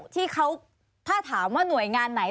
ถ้าถามว่าหน่วยงานไหน